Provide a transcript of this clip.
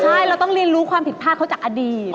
ใช่เราต้องเรียนรู้ความผิดพลาดเขาจากอดีต